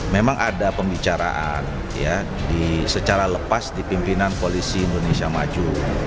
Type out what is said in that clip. memang ada pembicaraan secara lepas di pimpinan koalisi indonesia maju